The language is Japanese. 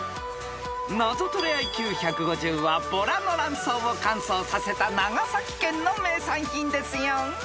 ［ナゾトレＩＱ１５０はボラの卵巣を乾燥させた長崎県の名産品ですよ］